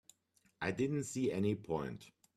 I didn't see any point.